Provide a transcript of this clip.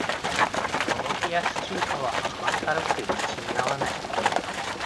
この冷やし中華は甘ったるくて口に合わない